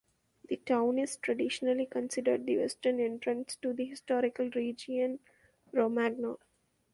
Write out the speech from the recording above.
The town is traditionally considered the western entrance to the historical region Romagna.